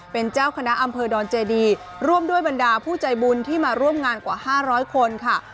เป็นเจ้าคณะอำเภอดอนเจดีร่วมด้วยบรรดาผู้ใจบุญที่มาร่วมงานกว่า๕๐๐คนค่ะ